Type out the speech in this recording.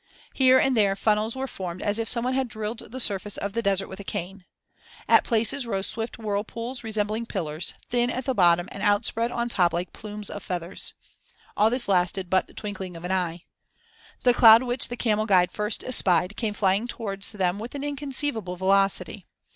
Here and there funnels were formed as if someone had drilled the surface of the desert with a cane. At places rose swift whirlpools resembling pillars, thin at the bottom and outspread on top like plumes of feathers. All this lasted but the twinkling of an eye. The cloud which the camel guide first espied came flying towards them with an inconceivable velocity.